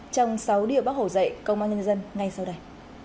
trong sáu điều bác hồ dạy công an nhân dân ngay sau đây